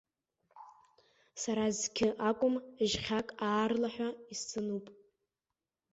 Сара зқьы акәым, жьхьак аарлаҳәа исзануп.